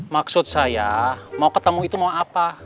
maksud saya mau ketemu itu mau apa